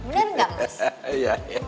bener gak mas